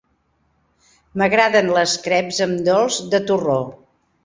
M'agraden les creps amb dolç de torró.